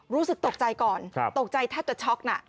รู้สึกตกใจก่อนครับตกใจแทบแต่ช็อกน่ะ